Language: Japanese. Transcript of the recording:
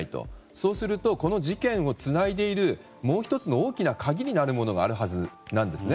そうするとこの事件をつないでいるもう１つの大きな鍵になるものがあるはずなんですね。